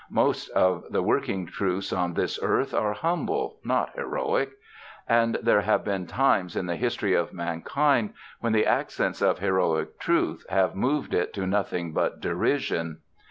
Most of the working truths on this earth are humble, not heroic; and there have been times in the history of mankind when the accents of heroic truth have moved it to nothing but derision.